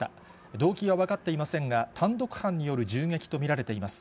動機は分かっていませんが、単独犯による銃撃と見られています。